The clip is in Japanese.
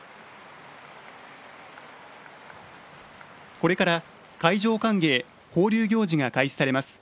これから海上歓迎・放流行事が開始されます。